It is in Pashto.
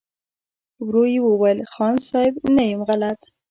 ورو يې وويل: خان صيب! نه يم غلط.